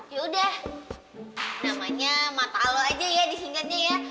yaudah namanya matalo aja ya disingkatnya ya